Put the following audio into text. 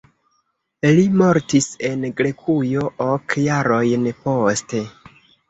Li mortis en Grekujo ok jarojn poste.